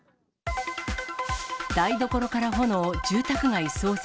台所から炎、住宅街騒然。